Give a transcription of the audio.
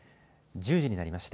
１０時になりました。